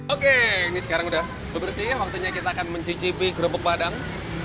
oke ini sekarang udah bebersih waktunya kita akan mencicipi kerupuk padang